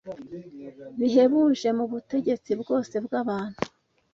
bihebuje mu butegetsi bwose bw’abantu.